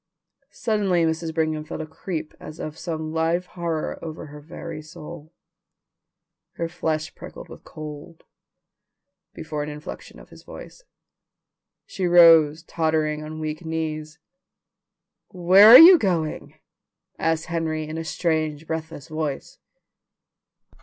Suddenly Mrs. Brigham felt a creep as of some live horror over her very soul. Her flesh prickled with cold, before an inflection of his voice. She rose, tottering on weak knees. "Where are you going?" asked Henry in a strange, breathless voice.